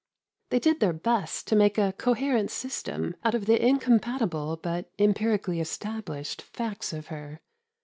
They did their best to make a coherent system out of the incompatible, but empirically established, facts of her.